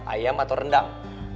ayam atau rendang